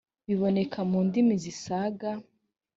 biboneka mu ndimi zisaga